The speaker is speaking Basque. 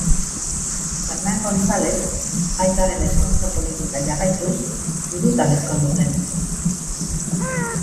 Fernan Gonzalez aitaren ezkontza-politika jarraituz hirutan ezkondu zen.